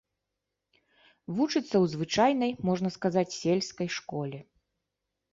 Вучыцца ў звычайнай, можна сказаць, сельскай школе.